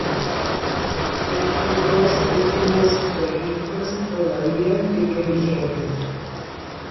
Estos dos últimos registros todavía siguen vigentes.